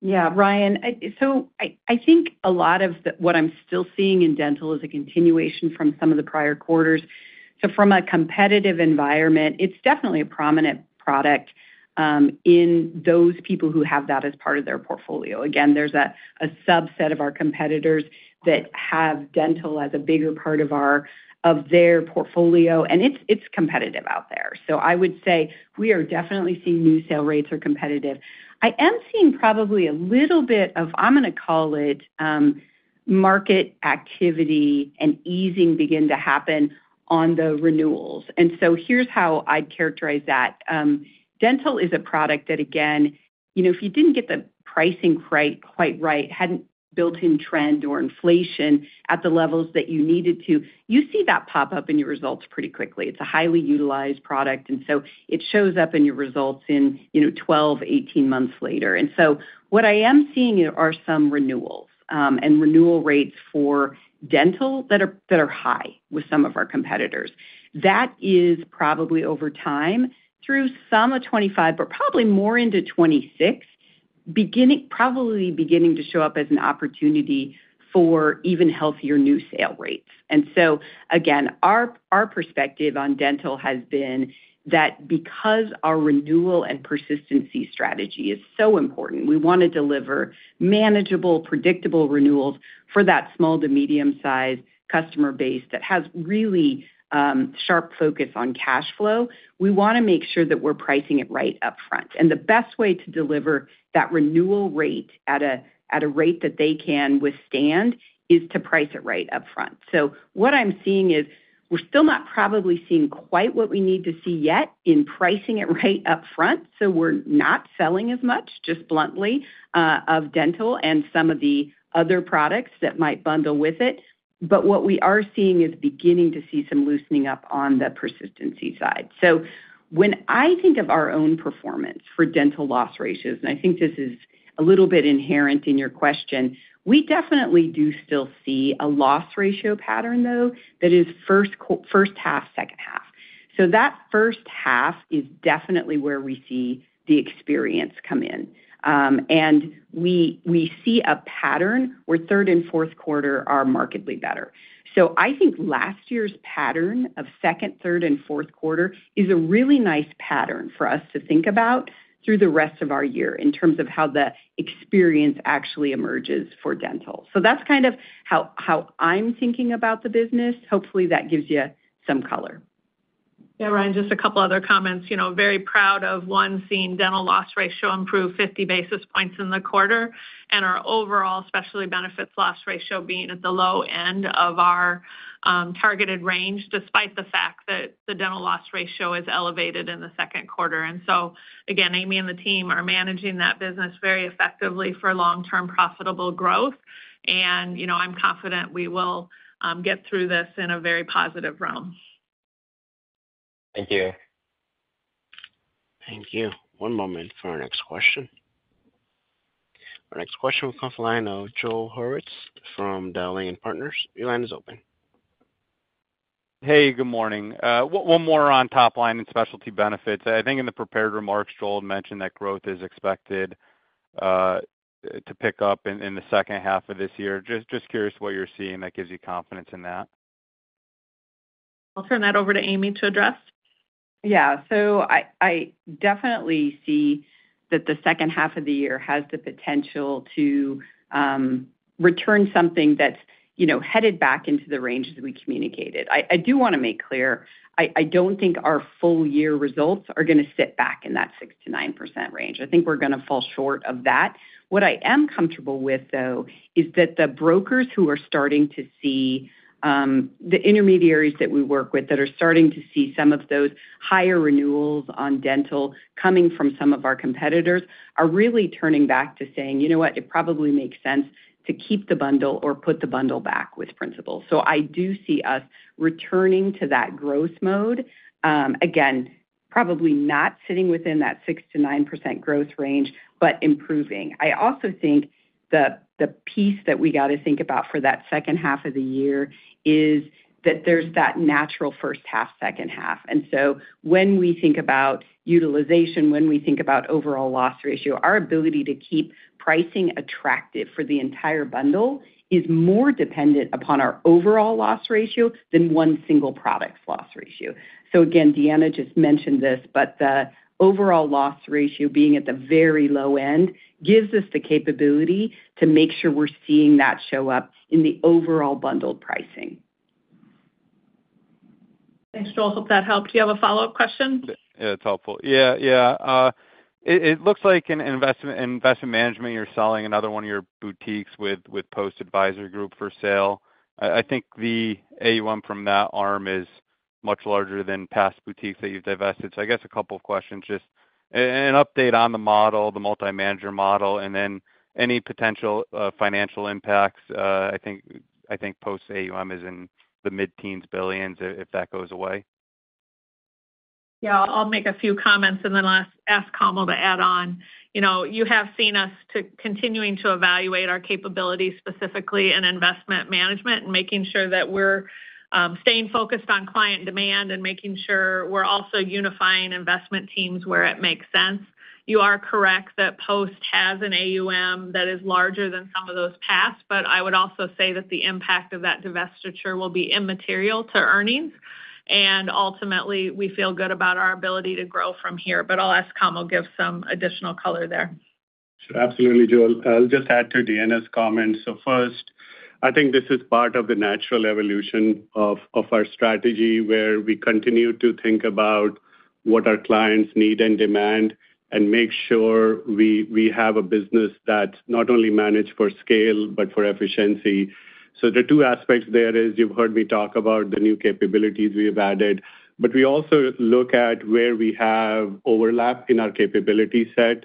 L: Yeah, Ryan. I think a lot of what I'm still seeing in Dental is a continuation from some of the prior quarters. From a competitive environment, it's definitely a prominent product in those people who have that as part of their portfolio. Again, there's a subset of our competitors that have Dental as a bigger part of their portfolio, and it's competitive out there. I would say we are definitely seeing new sale rates are competitive. I am seeing probably a little bit of, I'm going to call it, market activity and easing begin to happen on the renewals. Here's how I'd characterize that. Dental is a product that, again, if you didn't get the pricing quite right, hadn't built-in trend or inflation at the levels that you needed to, you see that pop up in your results pretty quickly. It's a highly utilized product, and it shows up in your results in 12 months, 18 months later. What I am seeing are some renewals and renewal rates for Dental that are high with some of our competitors. That is probably over time through some of 2025, but probably more into 2026, probably beginning to show up as an opportunity for even healthier new sale rates. Again, our perspective on Dental has been that because our renewal and persistency strategy is so important, we want to deliver manageable, predictable renewals for that small to medium-sized customer base that has really sharp focus on cash flow. We want to make sure that we're pricing it right upfront. The best way to deliver that renewal rate at a rate that they can withstand is to price it right upfront. What I'm seeing is we're still not probably seeing quite what we need to see yet in pricing it right upfront. We're not selling as much, just bluntly, of Dental and some of the other products that might bundle with it. What we are seeing is beginning to see some loosening up on the persistency side. When I think of our own performance for Dental Loss Ratios, and I think this is a little bit inherent in your question, we definitely do still see a loss ratio pattern, though, that is first half, second half. That first half is definitely where we see the experience come in, and we see a pattern where third and fourth quarter are markedly better. I think last year's pattern of second, third, and fourth quarter is a really nice pattern for us to think about through the rest of our year in terms of how the experience actually emerges for Dental. That's kind of how I'm thinking about the business. Hopefully, that gives you some color.
C: Yeah, Ryan, just a couple of other comments. Very proud of one, seeing Dental Loss Ratio improve 50 basis points in the quarter, and our overall specialty benefits loss ratio being at the low end of our targeted range, despite the fact that the Dental Loss Ratio is elevated in the second quarter. Amy and the team are managing that business very effectively for long-term profitable growth. I'm confident we will get through this in a very positive realm.
K: Thank you.
A: Thank you. One moment for our next question. Our next question will come from Joel Hurwitz from Dowling & Partners. Your line is open.
M: Hey, good morning. One more on top-line and specialty benefits. I think in the prepared remarks, Joel mentioned that growth is expected to pick up in the second half of this year. Just curious what you're seeing that gives you confidence in that?
C: I'll turn that over to Amy to address.
L: Yeah. So I definitely see that the second half of the year has the potential to return something that's headed back into the range that we communicated. I do want to make clear, I don't think our full-year results are going to sit back in that 6%-9% range. I think we're going to fall short of that. What I am comfortable with, though, is that the brokers who are starting to see the intermediaries that we work with that are starting to see some of those higher renewals on Dental coming from some of our competitors are really turning back to saying, you know what, it probably makes sense to keep the bundle or put the bundle back with Principal. So I do see us returning to that growth mode. Again, probably not sitting within that 6%-9% growth range, but improving. I also think the piece that we got to think about for that second half of the year is that there's that natural first half, second half. When we think about utilization, when we think about overall loss ratio, our ability to keep pricing attractive for the entire bundle is more dependent upon our overall loss ratio than one single product's loss ratio. Again, Deanna just mentioned this, but the overall loss ratio being at the very low end gives us the capability to make sure we're seeing that show up in the overall bundled pricing.
C: Thanks, Joel. Hope that helped. Do you have a follow-up question?
M: Yeah, it's helpful. Yeah, yeah. It looks like in investment management, you're selling another one of your boutiques with Post Advisor Group for sale. I think the AUM from that arm is much larger than past boutiques that you've divested. So I guess a couple of questions, just an update on the model, the multi-manager model, and then any potential financial impacts. I think Post AUM is in the mid-teens billions if that goes away.
C: Yeah, I'll make a few comments and then ask Kamal to add on. You have seen us continuing to evaluate our capability specifically in investment management and making sure that we're staying focused on client demand and making sure we're also unifying investment teams where it makes sense. You are correct that Post has an AUM that is larger than some of those past, but I would also say that the impact of that divestiture will be immaterial to earnings. Ultimately, we feel good about our ability to grow from here. I'll ask Kamal to give some additional color there.
I: Absolutely, Joel. I'll just add to Deanna's comments. First, I think this is part of the natural evolution of our strategy where we continue to think about what our clients need and demand and make sure we have a business that's not only managed for scale, but for efficiency. The two aspects there is you've heard me talk about the new capabilities we've added, but we also look at where we have overlap in our capability set.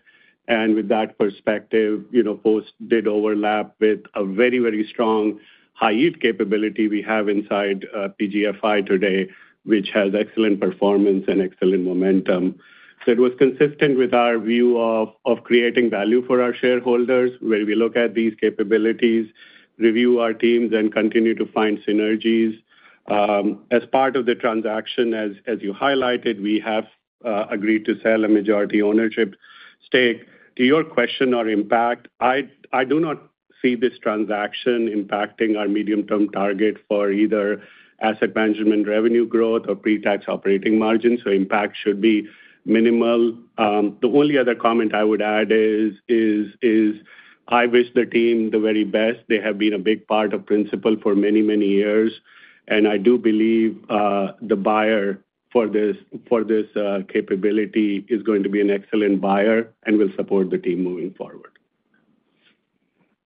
I: With that perspective, Post did overlap with a very, very strong high-yield capability we have inside PGFI today, which has excellent performance and excellent momentum. It was consistent with our view of creating value for our shareholders where we look at these capabilities, review our teams, and continue to find synergies. As part of the transaction, as you highlighted, we have agreed to sell a majority ownership stake. To your question or impact, I do not see this transaction impacting our medium-term target for either asset management revenue growth or pre-tax operating margins. Impact should be minimal. The only other comment I would add is I wish the team the very best. They have been a big part of Principal for many, many years. I do believe the buyer for this capability is going to be an excellent buyer and will support the team moving forward.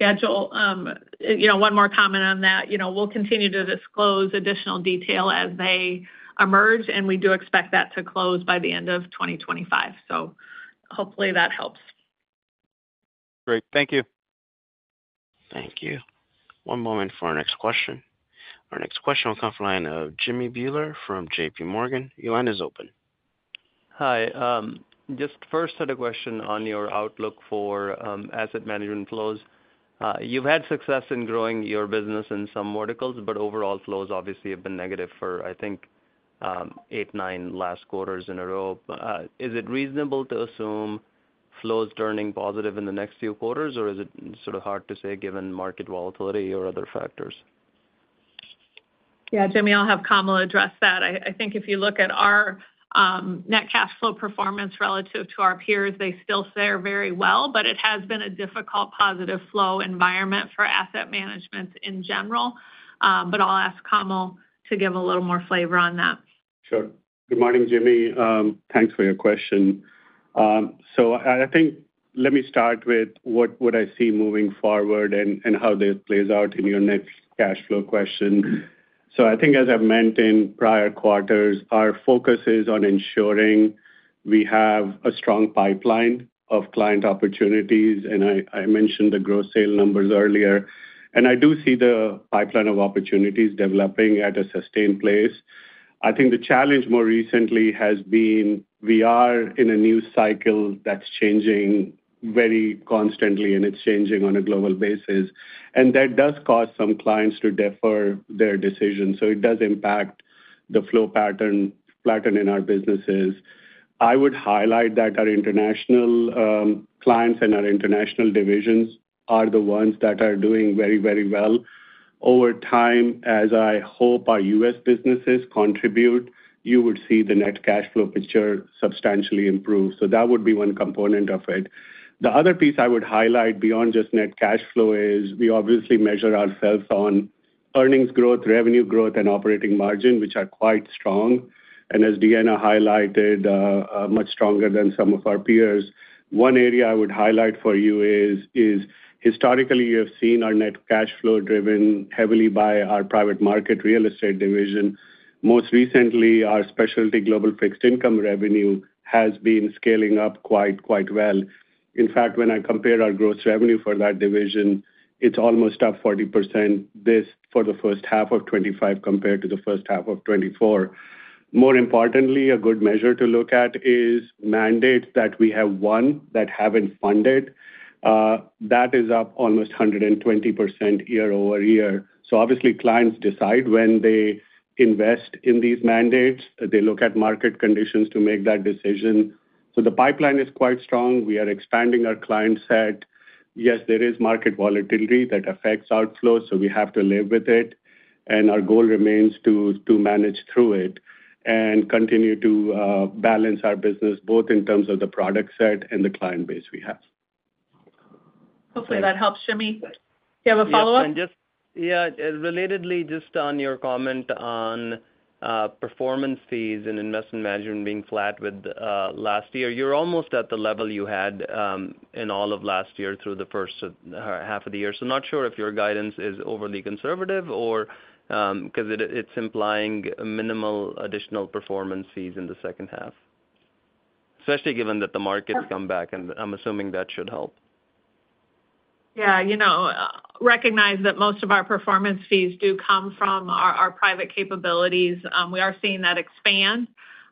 C: Yeah, Joel. One more comment on that. We will continue to disclose additional detail as they emerge, and we do expect that to close by the end of 2025. Hopefully that helps.
M: Great. Thank you.
A: Thank you. One moment for our next question. Our next question will come from Jimmy Bhullar from JPMorgan. Your line is open.
N: Hi. Just first, I had a question on your outlook for asset management flows. You've had success in growing your business in some verticals, but overall flows obviously have been negative for, I think, eight, nine last quarters in a row. Is it reasonable to assume flows turning positive in the next few quarters, or is it sort of hard to say given market volatility or other factors?
C: Yeah, Jimmy, I'll have Kamal address that. I think if you look at our net cash flow performance relative to our peers, they still fare very well, but it has been a difficult positive flow environment for asset management in general. I'll ask Kamal to give a little more flavor on that.
I: Sure. Good morning, Jimmy. Thanks for your question. I think let me start with what I see moving forward and how this plays out in your next cash flow question. I think, as I've mentioned prior quarters, our focus is on ensuring we have a strong pipeline of client opportunities. I mentioned the gross sale numbers earlier. I do see the pipeline of opportunities developing at a sustained pace. I think the challenge more recently has been we are in a new cycle that's changing very constantly, and it's changing on a global basis. That does cause some clients to defer their decision. It does impact the flow pattern in our businesses. I would highlight that our international clients and our international divisions are the ones that are doing very, very well. Over time, as I hope our U.S. businesses contribute, you would see the net cash flow picture substantially improve. That would be one component of it. The other piece I would highlight beyond just net cash flow is we obviously measure ourselves on earnings growth, revenue growth, and operating margin, which are quite strong. As Deanna highlighted, much stronger than some of our peers. One area I would highlight for you is historically, you have seen our net cash flow driven heavily by our private market real estate division. Most recently, our specialty global fixed income revenue has been scaling up quite well. In fact, when I compare our gross revenue for that division, it's almost up 40% for the first half of 2025 compared to the first half of 2024. More importantly, a good measure to look at is mandates that we have won that haven't funded. That is up almost 120% year-over-year. Obviously, clients decide when they invest in these mandates. They look at market conditions to make that decision. The pipeline is quite strong. We are expanding our client set. Yes, there is market volatility that affects our flows, so we have to live with it. Our goal remains to manage through it and continue to balance our business both in terms of the product set and the client base we have.
C: Hopefully, that helps, Jimmy. Do you have a follow-up?
N: Yeah. Relatedly, just on your comment on performance fees and investment management being flat with last year, you're almost at the level you had in all of last year through the first half of the year. Not sure if your guidance is overly conservative or because it's implying minimal additional performance fees in the second half. Especially given that the market's come back, and I'm assuming that should help.
C: Yeah. Recognize that most of our performance fees do come from our private capabilities. We are seeing that expand.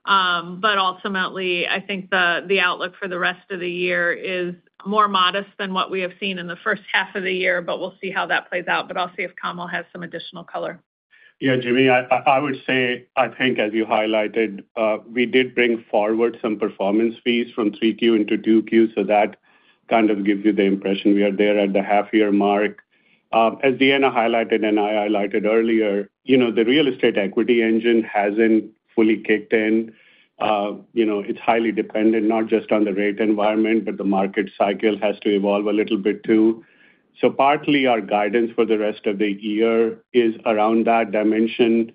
C: Ultimately, I think the outlook for the rest of the year is more modest than what we have seen in the first half of the year, but we'll see how that plays out. I'll see if Kamal has some additional color.
I: Yeah, Jimmy, I would say, I think, as you highlighted, we did bring forward some performance fees from 3Q into 2Q. That kind of gives you the impression we are there at the half-year mark. As Deanna highlighted and I highlighted earlier, the real estate equity engine has not fully kicked in. It is highly dependent, not just on the rate environment, but the market cycle has to evolve a little bit too. Partly, our guidance for the rest of the year is around that dimension.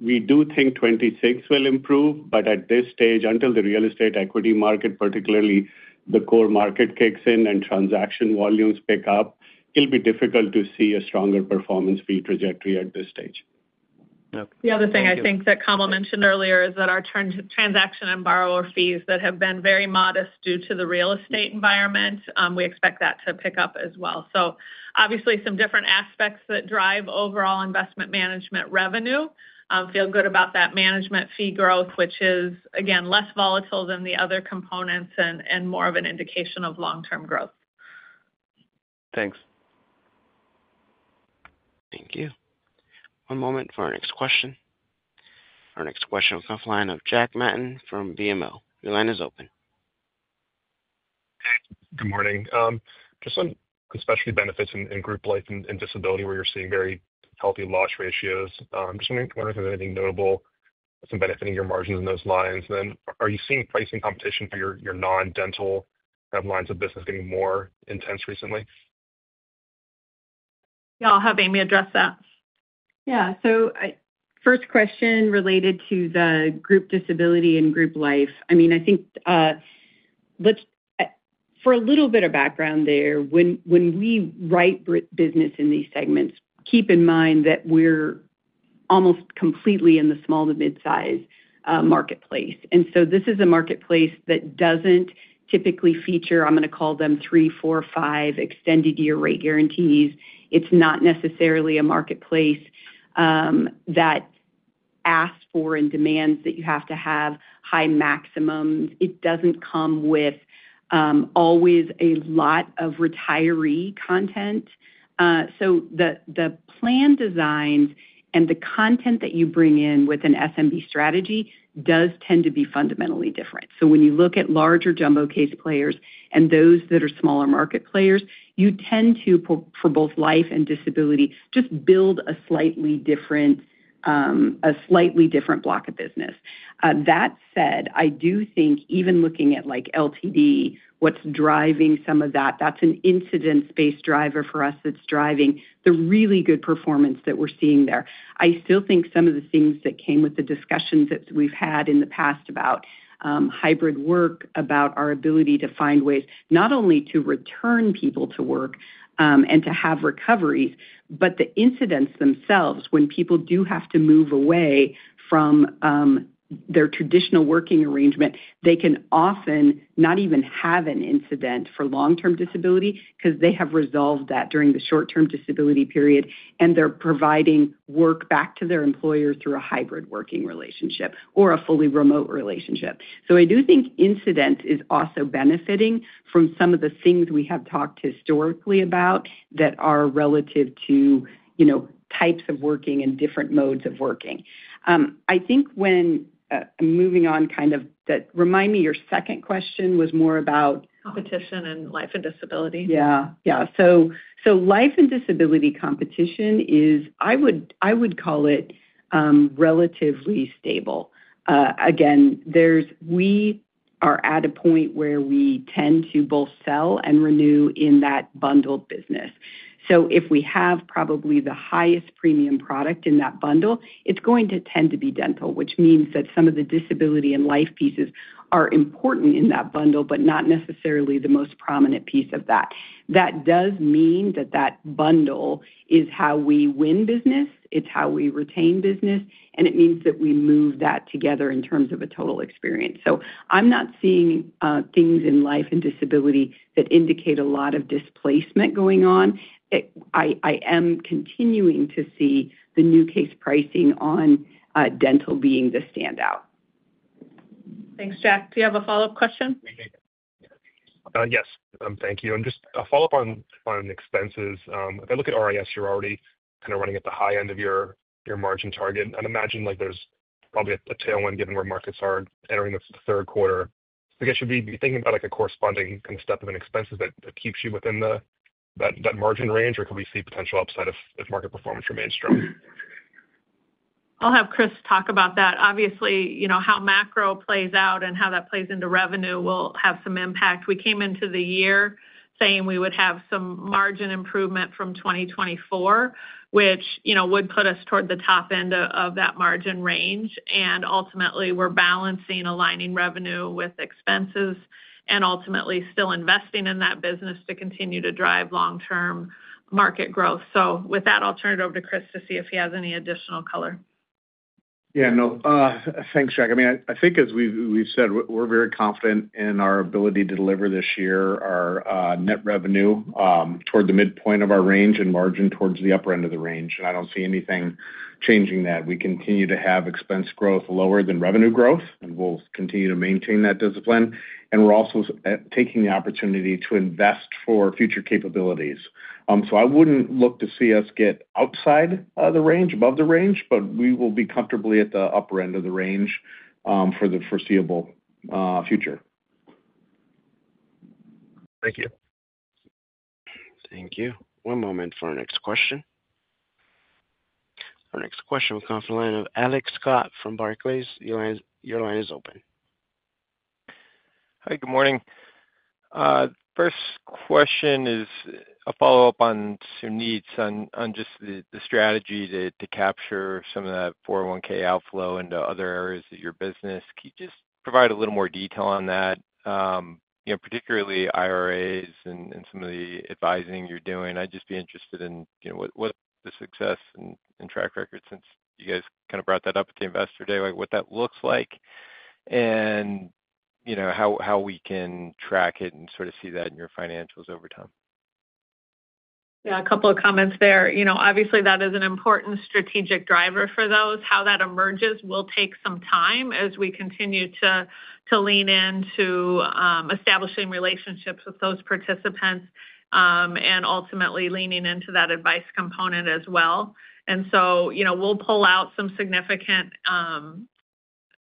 I: We do think 2026 will improve, but at this stage, until the real estate equity market, particularly the core market, kicks in and transaction volumes pick up, it will be difficult to see a stronger performance fee trajectory at this stage.
C: The other thing I think that Kamal mentioned earlier is that our transaction and borrower fees that have been very modest due to the real estate environment, we expect that to pick up as well. Obviously, some different aspects that drive overall investment management revenue. Feel good about that management fee growth, which is, again, less volatile than the other components and more of an indication of long-term growth.
N: Thanks.
A: Thank you. One moment for our next question. Our next question will come from Jack Matten from BMO. Your line is open.
O: Hey, good morning. Just on specialty benefits and group life and disability, where you're seeing very healthy loss ratios. I'm just wondering if there's anything notable that's been benefiting your margins in those lines. Then, are you seeing pricing competition for your non-Dental lines of business getting more intense recently?
C: Yeah, I'll have Amy address that.
L: Yeah. So first question related to the group disability and group life. I mean, I think for a little bit of background there, when we write business in these segments, keep in mind that we're almost completely in the small to mid-size marketplace. And so this is a marketplace that doesn't typically feature, I'm going to call them, three, four, five extended-year rate guarantees. It's not necessarily a marketplace that asks for and demands that you have to have high maximums. It doesn't come with always a lot of retiree content. So the plan designs and the content that you bring in with an SMB strategy does tend to be fundamentally different. So when you look at larger jumbo case players and those that are smaller market players, you tend to, for both life and disability, just build a slightly different block of business. That said, I do think even looking at LTD, what's driving some of that, that's an incident-based driver for us that's driving the really good performance that we're seeing there. I still think some of the things that came with the discussions that we've had in the past about hybrid work, about our ability to find ways not only to return people to work and to have recoveries, but the incidents themselves, when people do have to move away from their traditional working arrangement, they can often not even have an incident for long-term disability because they have resolved that during the short-term disability period, and they're providing work back to their employer through a hybrid working relationship or a fully remote relationship. I do think incidents is also benefiting from some of the things we have talked historically about that are relative to types of working and different modes of working. I think when moving on, kind of remind me your second question was more about.
C: Competition in life and disability.
L: Yeah. Yeah. Life and disability competition is, I would call it, relatively stable. Again, we are at a point where we tend to both sell and renew in that bundled business. If we have probably the highest premium product in that bundle, it is going to tend to be Dental, which means that some of the disability and life pieces are important in that bundle, but not necessarily the most prominent piece of that. That does mean that that bundle is how we win business. It is how we retain business. It means that we move that together in terms of a total experience. I am not seeing things in life and disability that indicate a lot of displacement going on. I am continuing to see the new case pricing on Dental being the standout.
C: Thanks, Jack. Do you have a follow-up question?
O: Yes. Thank you. Just a follow-up on expenses. If I look at RIS, you're already kind of running at the high end of your margin target. I imagine there's probably a tailwind given where markets are entering the third quarter. I guess should we be thinking about a corresponding kind of step of an expense that keeps you within that margin range, or could we see potential upside if market performance remains strong?
C: I'll have Chris talk about that. Obviously, how macro plays out and how that plays into revenue will have some impact. We came into the year saying we would have some margin improvement from 2024, which would put us toward the top end of that margin range. Ultimately, we're balancing, aligning revenue with expenses and ultimately still investing in that business to continue to drive long-term market growth. With that, I'll turn it over to Chris to see if he has any additional color.
F: Yeah, no. Thanks, Jack. I mean, I think, as we've said, we're very confident in our ability to deliver this year our net revenue toward the midpoint of our range and margin towards the upper end of the range. I don't see anything changing that. We continue to have expense growth lower than revenue growth, and we'll continue to maintain that discipline. We're also taking the opportunity to invest for future capabilities. I wouldn't look to see us get outside the range, above the range, but we will be comfortably at the upper end of the range for the foreseeable future.
O: Thank you.
A: Thank you. One moment for our next question. Our next question will come from the line of Alex Scott from Barclays. Your line is open.
P: Hi, good morning. First question is a follow-up on some needs on just the strategy to capture some of that 401-k outflow into other areas of your business. Can you just provide a little more detail on that, particularly IRAs and some of the advising you're doing? I'd just be interested in what the success and track record since you guys kind of brought that up at the investor day, what that looks like. How we can track it and sort of see that in your financials over time.
C: Yeah, a couple of comments there. Obviously, that is an important strategic driver for those. How that emerges will take some time as we continue to lean into establishing relationships with those participants and ultimately leaning into that advice component as well. We will pull out some significant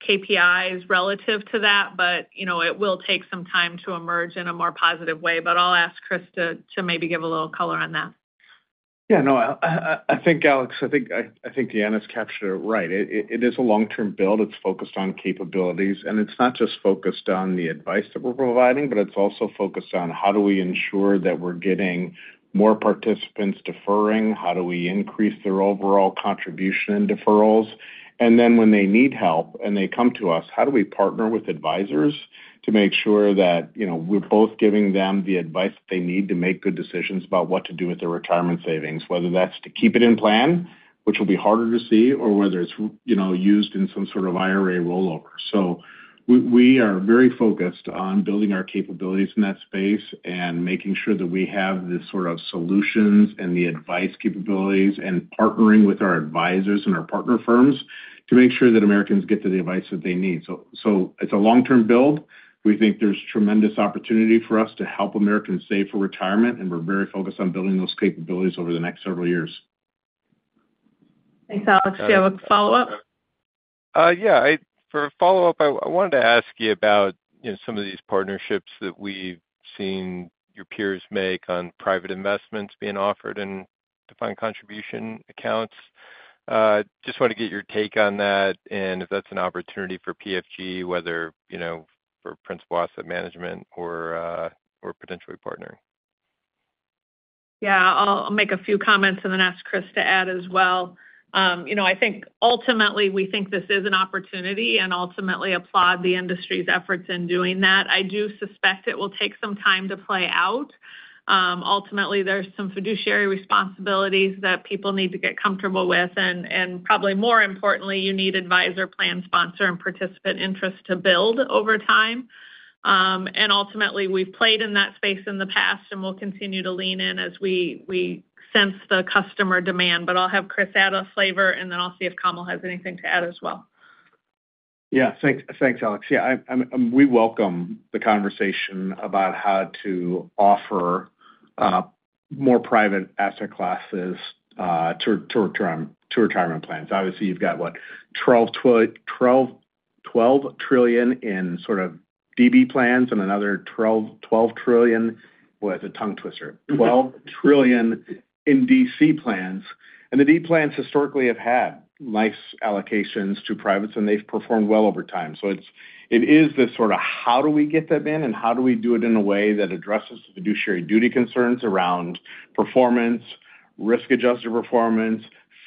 C: KPIs relative to that, but it will take some time to emerge in a more positive way. I will ask Chris to maybe give a little color on that.
F: Yeah, no. I think, Alex, I think Deanna's captured it right. It is a long-term build. It is focused on capabilities. It is not just focused on the advice that we are providing, but it is also focused on how do we ensure that we are getting more participants deferring? How do we increase their overall contribution and deferrals? When they need help and they come to us, how do we partner with advisors to make sure that we are both giving them the advice that they need to make good decisions about what to do with their retirement savings, whether that is to keep it in plan, which will be harder to see, or whether it is used in some sort of IRA rollover? We are very focused on building our capabilities in that space and making sure that we have the sort of solutions and the advice capabilities and partnering with our advisors and our partner firms to make sure that Americans get to the advice that they need. It is a long-term build. We think there is tremendous opportunity for us to help Americans save for retirement, and we are very focused on building those capabilities over the next several years.
C: Thanks, Alex. Do you have a follow-up?
P: Yeah. For a follow-up, I wanted to ask you about some of these partnerships that we've seen your peers make on private investments being offered in defined contribution accounts. Just want to get your take on that and if that's an opportunity for PFG, whether for Principal Asset Management or potentially partnering.
C: Yeah, I'll make a few comments and then ask Chris to add as well. I think ultimately, we think this is an opportunity and ultimately applaud the industry's efforts in doing that. I do suspect it will take some time to play out. Ultimately, there's some fiduciary responsibilities that people need to get comfortable with. Probably more importantly, you need advisor, plan, sponsor, and participant interest to build over time. Ultimately, we've played in that space in the past, and we'll continue to lean in as we sense the customer demand. I'll have Chris add a flavor, and then I'll see if Kamal has anything to add as well.
F: Yeah. Thanks, Alex. Yeah. We welcome the conversation about how to offer more private asset classes to retirement plans. Obviously, you've got, what, $12 trillion in sort of DB plans and another $12 trillion with a tongue twister, $12 trillion in DC plans. And the DC plans historically have had nice allocations to privates, and they've performed well over time. It is this sort of, how do we get them in, and how do we do it in a way that addresses the fiduciary duty concerns around performance, risk-adjusted performance,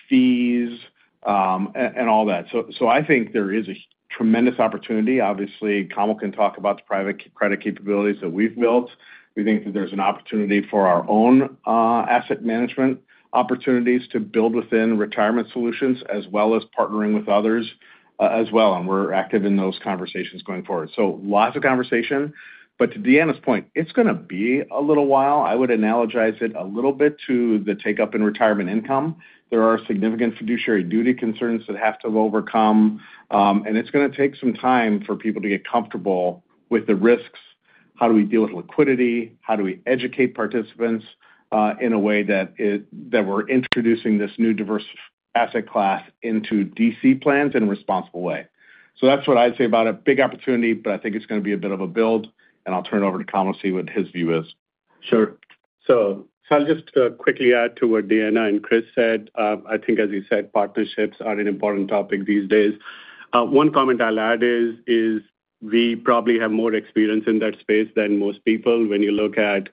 F: fees, and all that. I think there is a tremendous opportunity. Obviously, Kamal can talk about the private credit capabilities that we've built. We think that there's an opportunity for our own asset management opportunities to build within retirement solutions as well as partnering with others as well. We're active in those conversations going forward. Lots of conversation. To Deanna's point, it's going to be a little while. I would analogize it a little bit to the take-up in retirement income. There are significant fiduciary duty concerns that have to be overcome. It's going to take some time for people to get comfortable with the risks. How do we deal with liquidity? How do we educate participants in a way that we're introducing this new diverse asset class into DC plans in a responsible way? That's what I'd say about it. Big opportunity, but I think it's going to be a bit of a build. I'll turn it over to Kamal to see what his view is.
I: Sure. I'll just quickly add to what Deanna and Chris said. I think, as you said, partnerships are an important topic these days. One comment I'll add is we probably have more experience in that space than most people. When you look at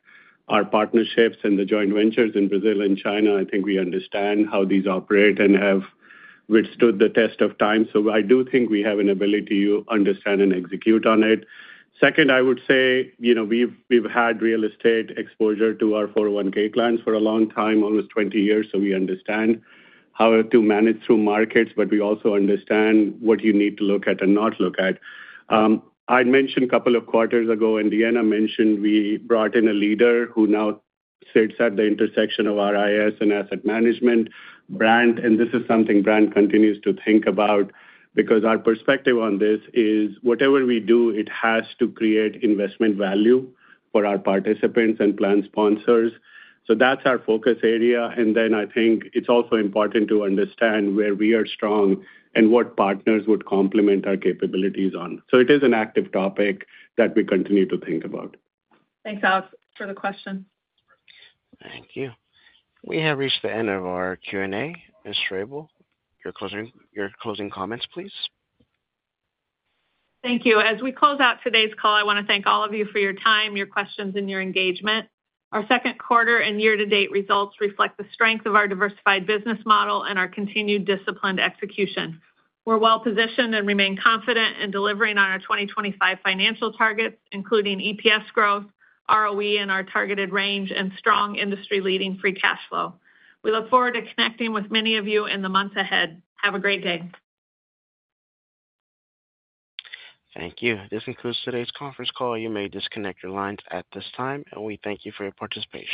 I: our partnerships and the joint ventures in Brazil and China, I think we understand how these operate and have withstood the test of time. I do think we have an ability to understand and execute on it. Second, I would say we've had real estate exposure to our 401(k) plans for a long time, almost 20 years. We understand how to manage through markets, but we also understand what you need to look at and not look at. I mentioned a couple of quarters ago, and Deanna mentioned we brought in a leader who now sits at the intersection of RIS and asset management, Brand. This is something Brand continues to think about because our perspective on this is whatever we do, it has to create investment value for our participants and plan sponsors. That's our focus area. I think it's also important to understand where we are strong and what partners would complement our capabilities on. It is an active topic that we continue to think about.
C: Thanks, Alex, for the question.
A: Thank you. We have reached the end of our Q&A. Ms. Strable, your closing comments, please.
C: Thank you. As we close out today's call, I want to thank all of you for your time, your questions, and your engagement. Our second quarter and year-to-date results reflect the strength of our diversified business model and our continued disciplined execution. We're well-positioned and remain confident in delivering on our 2025 financial targets, including EPS growth, ROE in our targeted range, and strong industry-leading free cash flow. We look forward to connecting with many of you in the months ahead. Have a great day.
A: Thank you. This concludes today's conference call. You may disconnect your lines at this time, and we thank you for your participation.